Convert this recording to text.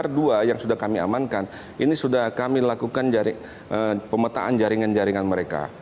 r dua yang sudah kami amankan ini sudah kami lakukan pemetaan jaringan jaringan mereka